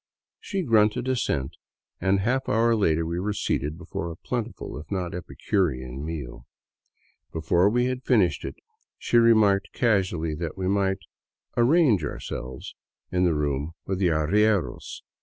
" She grunted assent and a half hour later we were seated before a plentiful, if not epicurean, meal. Before we had finished it, she re marked casually that we might " arrange ourselves " in the room with the arrieros.